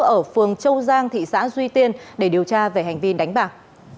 ở phường châu giang thị xã duy tiên để điều tra về hành vi đánh bạc